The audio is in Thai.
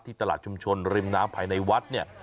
ตลาดชุมชนริมน้ำภายในวัดเนี่ย